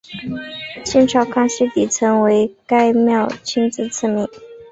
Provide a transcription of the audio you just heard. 清朝康熙帝曾为该庙亲自赐名。